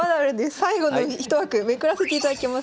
最後のひと枠めくらせていただきます。